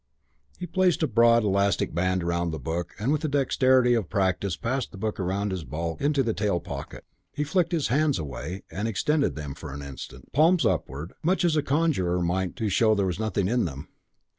He placed a broad elastic band round the book and with the dexterity of practice passed the book round his bulk and into the tail pocket. He flicked his hands away and extended them for an instant, palms upward, much as a conjurer might to show there was nothing in them.